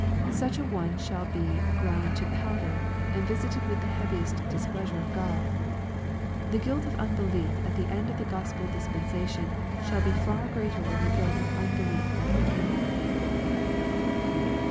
Such an one shall be " ground to powder," and visited with the heaviest displeasure of God. The guilt of unbelief at the end of the Gk>spel dispensation shall be far greater than the guilt of unbelief at the beginning.